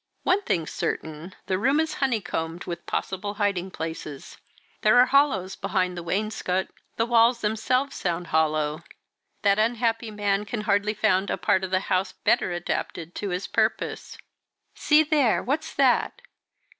One thing's certain, the room is honeycombed with possible hiding places. There are hollows behind the wainscot, the walls themselves sound hollow. That unhappy man can hardly have found a part of the house better adapted to his purpose." "See there what's that?"